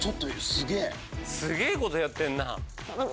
すげぇことやってんなぁ。